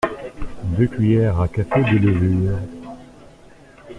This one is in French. deux cuillères à café de levure